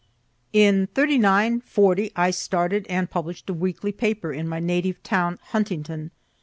In '39, '40, I started and publish'd a weekly paper in my native town, Huntington.